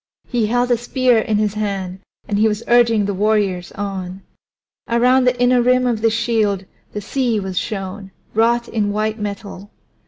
He held a spear in his hand, and he was urging the warriors on. Around the inner rim of the shield the sea was shown, wrought in white metal.